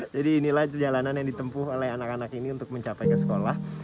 jadi inilah jalanan yang ditempuh oleh anak anak ini untuk mencapai ke sekolah